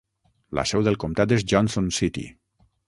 La seu del comtat és Johnson City.